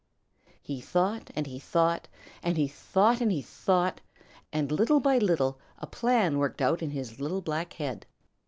He thought and he thought and he thought and he thought, and little by little a plan worked out in his little black head.